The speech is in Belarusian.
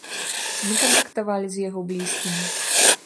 Мы кантактавалі з яго блізкімі.